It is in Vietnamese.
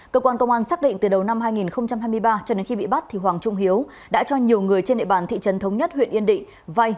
cơ quan công an xác định từ đầu năm hai nghìn hai mươi ba cho đến khi bị bắt hoàng trung hiếu đã cho nhiều người trên địa bàn thị trấn thống nhất huyện yên định vay